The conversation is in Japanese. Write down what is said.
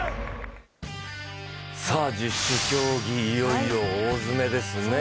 さあ十種競技、いよいよ大詰めですね。